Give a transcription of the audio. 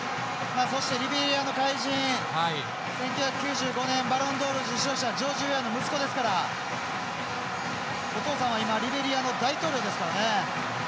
そして、リベリアの怪人１９９５年バロンドールを受賞したジョージ・ウェアの息子ですからお父さんは今リベリアの大統領ですからね。